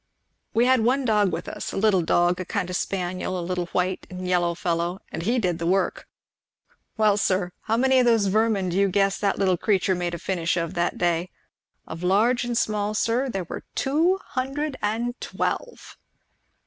We had one dog with us, a little dog, a kind of spaniel; a little white and yellow fellow, and he did the work! Well, sir, how many of those vermin do you guess that little creature made a finish of that day? of large and small, sir, there were two hundred and twelve."